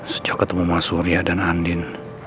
sejak ketemu mas surya dan andin